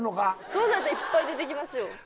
そんなんやったらいっぱい出てきますよ。